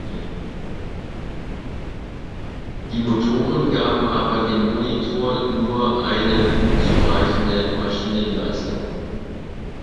Die Motoren gaben aber dem Monitor nur eine unzureichende Maschinenleistung.